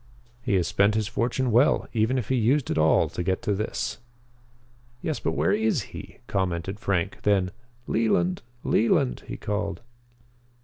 He has spent his fortune well, even if he used it all to get to this." "Yes, but where is he?" commented Frank. Then: "Leland! Leland!" he called.